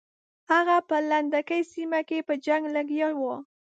هغه په لنډکي سیمه کې په جنګ لګیا وو.